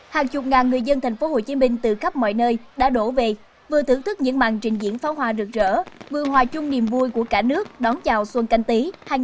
hàng chục ngàn người dân tp hcm từ khắp mọi nơi đã đổ về vừa thưởng thức những màn trình diễn pháo hoa rực rỡ vừa hòa chung niềm vui của cả nước đón chào xuân canh tí hai nghìn hai mươi